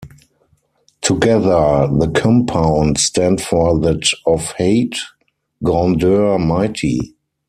Together, the compound stand for That of height, grandeur, mighty.